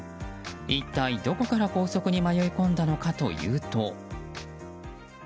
一体どこから高速に迷い込んだのかというと。